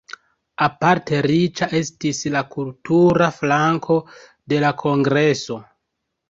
Aparte riĉa estis la kultura flanko de la kongreso.